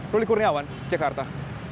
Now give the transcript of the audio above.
ruli kurniawan jakarta